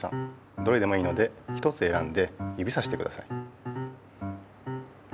どれでもいいので一つえらんでゆびさしてください。